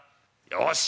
よし。